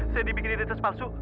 saya dibikin di ditas palsu